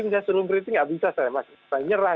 misalnya sebelum kritik tidak bisa saya saya nyerah